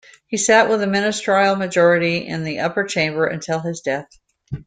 He sat with the ministerial majority in the upper chamber until his death.